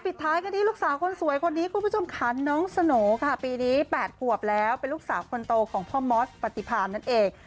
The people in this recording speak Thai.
ท้ายกันที่ลูกสาวคนสวยคนนี้คุณผู้ชมค่ะน้องสโหน่ค่ะปีนี้๘ขวบแล้วเป็นลูกสาวคนโตของพ่อมอสปฏิพามนั่นเอง